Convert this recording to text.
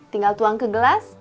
tinggal tuang ke gelas